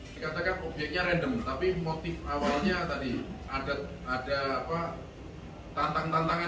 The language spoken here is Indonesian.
dikatakan obyeknya random tapi motif awalnya tadi ada tantangan tantangan